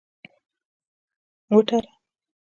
وتړه.